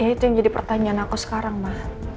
ya itu yang jadi pertanyaan aku sekarang ma